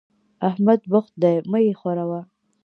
احمد بوخت دی؛ مه يې ښوروه.